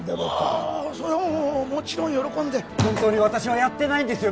あそれはもうもちろん喜んで本当に私はやってないんですよ